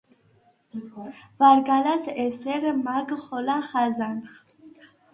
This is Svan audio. ვარგა̈ლს ესერ მა̈გ ხოლა ხაზნახ;